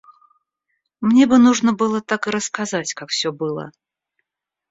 Мне бы нужно было так и рассказать, как всё было.